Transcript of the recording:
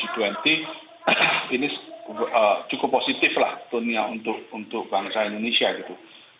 ini cukup positiflah dunia untuk bangsa indonesia gitu